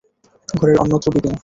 ঘরের অন্যত্র বিপিন।